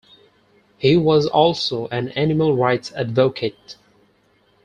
He was also an animal rights advocate.